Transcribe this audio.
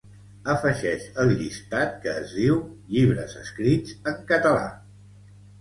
Afegeix el llistat que es diu "Llibres escrits en català".